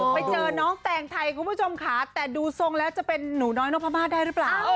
ไปเจอน้องแตงไทยคุณผู้ชมค่ะแต่ดูทรงแล้วจะเป็นหนูน้อยนพมาศได้หรือเปล่า